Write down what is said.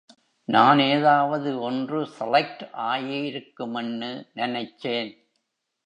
நான் ஏதாவது ஒன்று செலைக்ட்டு ஆயிருக்கும்னு நெனச்சேன்.